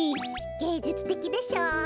げいじゅつてきでしょう？